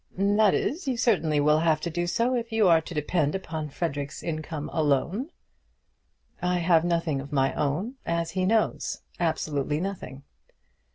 "That is, you certainly will have to do so if you are to depend upon Frederic's income alone." "I have nothing of my own, as he knows; absolutely nothing."